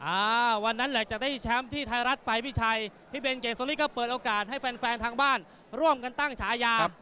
อ่าวันนั้นแหละจะได้แชมป์ที่ไทยรัฐไปพี่ชัยพี่เบนเกดโซลี่ก็เปิดโอกาสให้แฟนแฟนทางบ้านร่วมกันตั้งฉายา